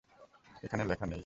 এখানে লেখা নেই।